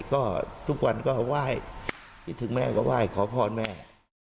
ก็ทุกวันก็ไหว้คิดถึงแม่ก็ไหว้ขอพรแม่